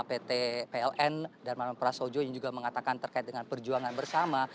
pt pln darmawan prasojo yang juga mengatakan terkait dengan perjuangan bersama